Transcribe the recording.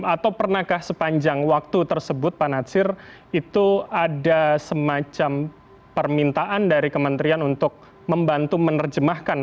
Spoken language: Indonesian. atau pernahkah sepanjang waktu tersebut pak natsir itu ada semacam permintaan dari kementerian untuk membantu menerjemahkan